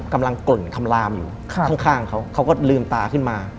กำลังกล่นคำลามอยู่ข้างเขาก็ลืมตาขึ้นมา